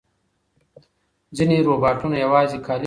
ځینې روباټونه یوازې کالي مینځي.